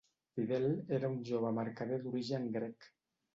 Fidel era un jove mercader d'origen grec.